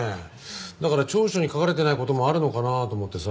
だから調書に書かれてない事もあるのかなと思ってさ。